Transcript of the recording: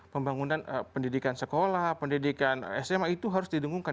pembangunan pendidikan sekolah pendidikan sma itu harus didengungkan